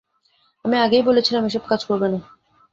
আমি আগেই বলেছিলাম এসব কাজ করবে না!